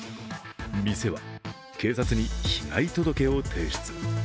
店は警察に被害届を提出。